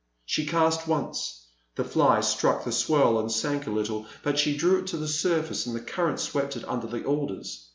She cast once. The fly struck the swirl and sank a little, but she drew it to the sur face and the current swept it under the alders.